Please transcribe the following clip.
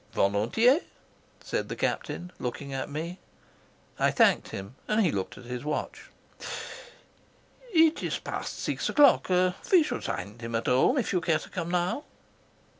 "," said the Captain, looking at me. I thanked him, and he looked at his watch. "It is past six o'clock. We should find him at home if you care to come now."